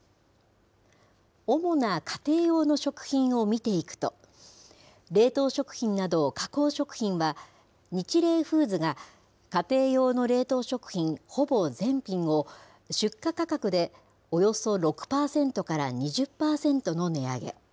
主な家庭用の食品を見ていくと、冷凍食品など加工食品は、ニチレイフーズが家庭用の冷凍食品ほぼ全品を、出荷価格でおよそ６％から２０％の値上げ。